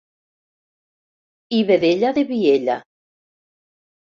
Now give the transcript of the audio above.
...i vedella de Viella.